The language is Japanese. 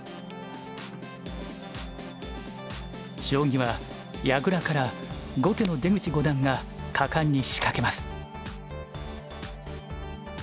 将棋は矢倉から後手の出口五段が果敢に仕掛けます。